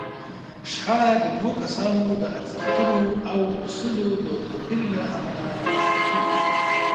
شخړه د دوو کسانو د ارزښتونو او اصولو د توپير له امله رامنځته کېږي.